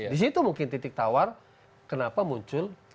disitu mungkin titik tawar kenapa muncul